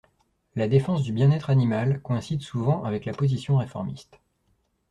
La défense du bien-être animal coïncide souvent avec la position réformiste.